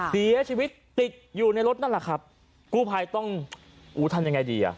เสียชีวิตติดอยู่ในรถนั่นแหละครับกู้ภัยต้องอู้ทำยังไงดีอ่ะ